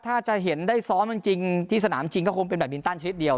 ถ้าจะเห็นได้ซ้อมจริงที่สนามจริงก็คงเป็นแบบมินตันชนิดเดียว